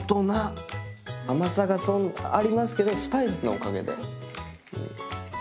甘さがありますけどスパイスのおかげでうん。